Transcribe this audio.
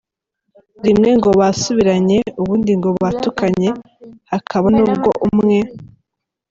Rimwe ngo basubiranye, ubundi ngo batukanye, hakaba nubwo umwe.